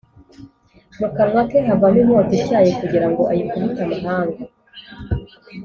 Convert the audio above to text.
Mu kanwa ke havamo inkota ityaye kugira ngo ayikubite amahanga,